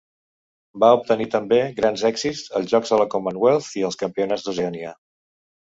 Va obtenir també grans èxits als Jocs de la Commonwealth i als Campionats d'Oceania.